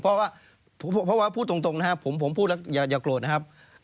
เพราะว่าพูดตรงนะครับผมพูดแล้วอย่าโกรธนะครับ